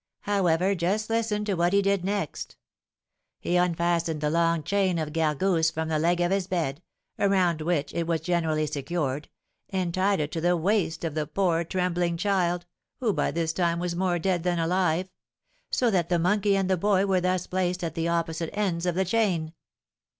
However, just listen to what he did next. He unfastened the long chain of Gargousse from the leg of his bed, around which it was generally secured, and tied it to the waist of the poor trembling child, who by this time was more dead than alive; so that the monkey and the boy were thus placed at the opposite ends of the chain."